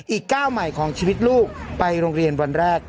อีกก้าวใหม่ของชีวิตลูกไปโรงเรียนวันแรก